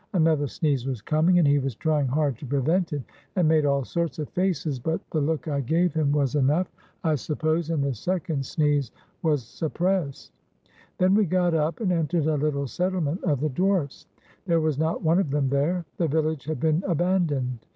Another sneeze was coming, and he was trying hard to prevent it, and made all sorts of faces, but the look I gave him was 408 THE VILLAGE OF DWARFS enough,! suppose, and the second sneeze was suppressed. Then we got up and entered the Httle settlement of the dwarfs. There was not one of them there. The village had been abandoned.